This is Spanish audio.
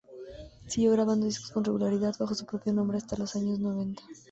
Siguió grabando discos con regularidad bajo su propio nombre hasta los años noventa.